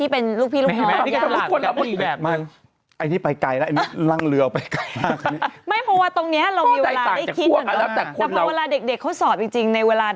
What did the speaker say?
เพราะยายแก่ที่สุดไง